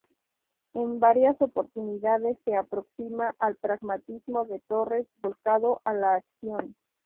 En varias oportunidades, se aproxima al pragmatismo de Torres, volcado a la acción.